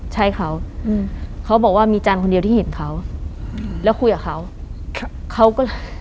ใช่เขาเขาบอกว่ามีจันทร์คนเดียวที่เห็นเขาแล้วคุยกับเขาเขาก็